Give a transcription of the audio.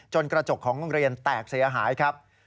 กระจกของโรงเรียนแตกเสียหายครับ